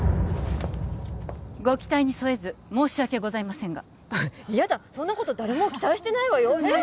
ご期待に添えず申し訳ございませんがヤダそんなこと誰も期待してないわよねえ・